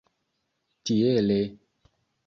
Tiele.